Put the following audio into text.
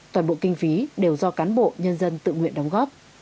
toàn bộ kinh phí đều do cán bộ nhân dân tự nguyện đóng góp